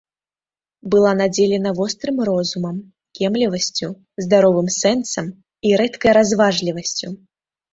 Была надзелена вострым розумам, кемлівасцю, здаровым сэнсам і рэдкай разважлівасцю.